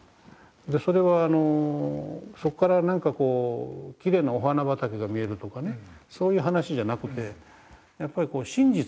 それはそこから何かこうきれいなお花畑が見えるとかそういう話じゃなくてやっぱり真実が見える。